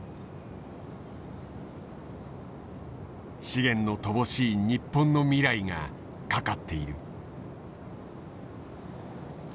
資源の乏しい日本の未来が懸かっている。